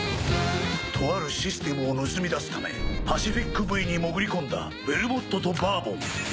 とあるシステムを盗み出すためパシフィック・ブイに潜り込んだベルモットとバーボン